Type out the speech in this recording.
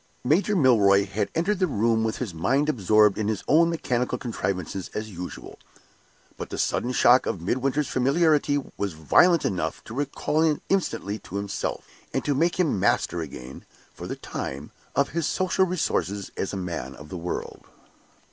Major Milroy had entered the room with his mind absorbed in his own mechanical contrivances as usual. But the sudden shock of Midwinter's familiarity was violent enough to recall him instantly to himself, and to make him master again, for the time, of his social resources as a man of the world.